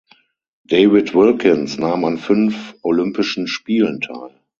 David Wilkins nahm an fünf Olympischen Spielen teil.